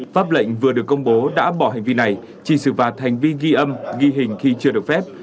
pháp lệnh vừa được công bố đã bỏ hành vi này chỉ xử phạt hành vi ghi âm ghi hình khi chưa được phép